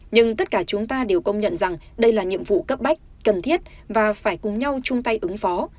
nhưng tất cả chúng ta đều công nhận rằng đây là nhiệm vụ cấp bách cần thiết và phải cùng nhau chung tay ứng phó